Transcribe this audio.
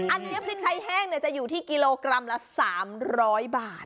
อันนี้พริกไทยแห้งจะอยู่ที่กิโลกรัมละ๓๐๐บาท